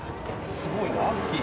すごいなアッキー